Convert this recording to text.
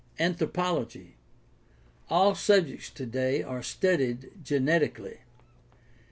Anthropology. — All subjects today are studied genetically.